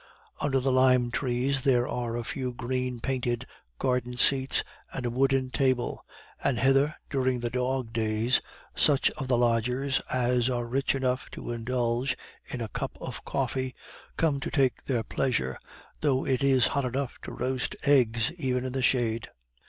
Under the lime trees there are a few green painted garden seats and a wooden table, and hither, during the dog days, such of the lodgers as are rich enough to indulge in a cup of coffee come to take their pleasure, though it is hot enough to roast eggs even in the shade.